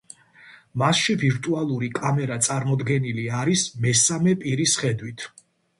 მასში ვირტუალური კამერა წარმოდგენილი არის მესამე პირის ხედვით.